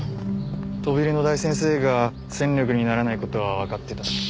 飛び入りの大先生が戦力にならない事はわかってたし。